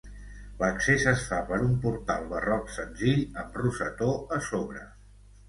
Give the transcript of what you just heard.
L'accés es fa per un portal barroc senzill amb rosetó a sobre.